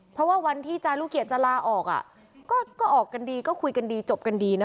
เพราะว่าวันที่จารุเกียจจะลาออกก็ออกกันดีก็คุยกันดีจบกันดีนะ